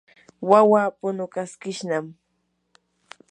wawaa punukaskishnam.